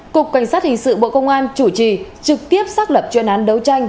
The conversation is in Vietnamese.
cục cảnh sát hình sự bộ công an chủ trì trực tiếp xác lập chuyên án đấu tranh